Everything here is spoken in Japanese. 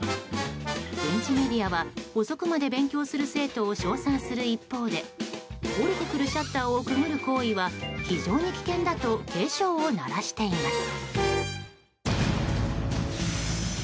現地メディアは、遅くまで勉強する生徒を称賛する一方で下りてくるシャッターをくぐる行為は非常に危険だと警鐘を鳴らしています。